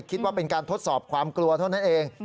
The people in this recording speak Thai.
คิดว่าเป็นการทดสอบความกลัวเท่านั้นเอง